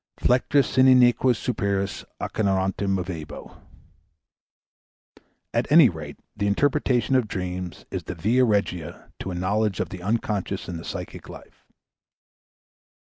"Flectere si nequeo superos, Acheronta movebo." At any rate the interpretation of dreams is the via regia to a knowledge of the unconscious in the psychic life.